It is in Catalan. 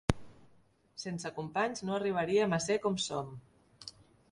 Sense companys no arribaríem a ser com som.